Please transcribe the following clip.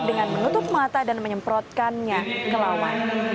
dengan menutup mata dan menyemprotkannya ke lawan